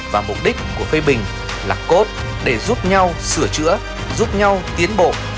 và mục đích của phê bình là cốt để giúp nhau sửa chữa giúp nhau tiến bộ